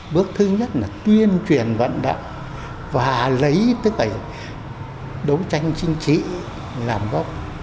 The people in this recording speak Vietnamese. bước thứ nhất là tuyên truyền vận động và lấy tức là đấu tranh chính trị làm gốc